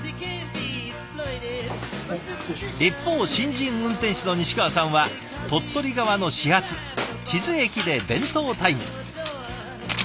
一方新人運転士の西川さんは鳥取側の始発智頭駅で弁当タイム。